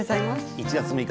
１月６日